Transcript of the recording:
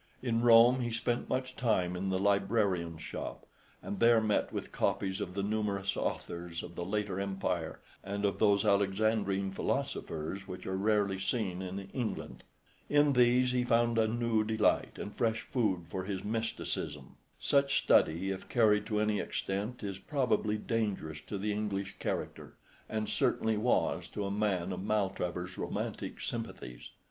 In Rome he spent much time in the librarians' shops, and there met with copies of the numerous authors of the later empire and of those Alexandrine philosophers which are rarely seen in England. In these he found a new delight and fresh food for his mysticism. Such study, if carried to any extent, is probably dangerous to the English character, and certainly was to a man of Maltravers's romantic sympathies.